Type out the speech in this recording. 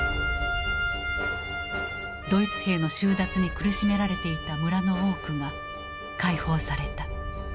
ドイツ兵の収奪に苦しめられていた村の多くが解放された。